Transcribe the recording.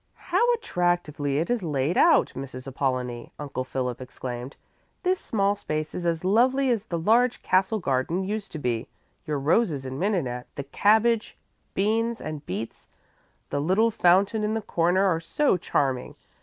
"How attractively it is laid out, Mrs. Apollonie!" Uncle Philip exclaimed. "This small space is as lovely as the large castle garden used to be. Your roses and mignonette, the cabbage, beans and beets, the little fountain in the corner are so charming!